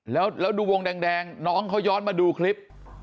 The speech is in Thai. แล้วดูวงแดงน้องเขาย้อนมาดูคลิป